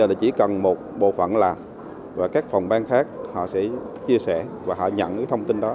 bây giờ là chỉ cần một bộ phận làm và các phòng ban khác họ sẽ chia sẻ và họ nhận thông tin đó